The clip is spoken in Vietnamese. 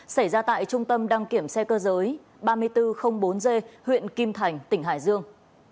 xảy ra tại trung tâm đăng kiểm xe cơ giới ba nghìn bốn trăm linh bốn g huyện kim thành tỉnh hải dương